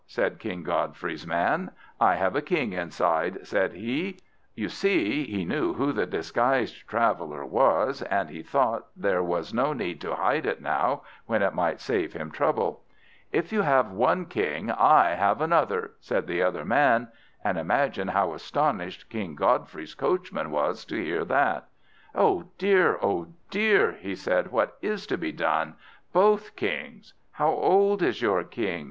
said King Godfrey's man. "I have a King inside," said he; you see, he knew who the disguised traveller was, and he thought there was no need to hide it now, when it might save him trouble. "If you have one King, I have another!" said the other man; and imagine how astonished King Godfrey's coachman was to hear that. "Oh dear, oh dear," he said, "what is to be done? Both Kings! How old is your King?"